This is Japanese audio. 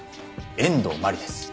遠藤真理です。